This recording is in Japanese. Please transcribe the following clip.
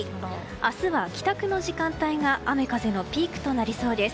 明日は帰宅の時間帯が雨風のピークとなりそうです。